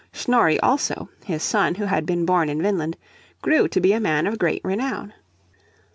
Snorri also, his son who had been born in Vineland, grew to be a man of great renown.